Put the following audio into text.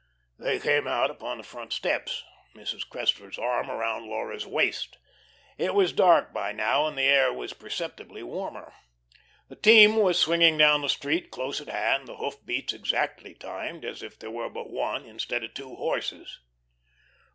They came out upon the front steps, Mrs. Cressler's arm around Laura's waist. It was dark by now, and the air was perceptibly warmer. The team was swinging down the street close at hand, the hoof beats exactly timed, as if there were but one instead of two horses.